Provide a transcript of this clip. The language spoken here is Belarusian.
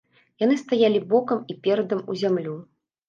Яны стаялі бокам і перадам у зямлю.